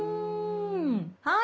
はい。